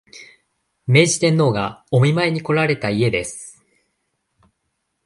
明治天皇がお見舞いにこられた家です